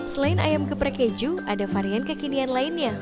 selain ayam geprek keju ada varian kekinian lainnya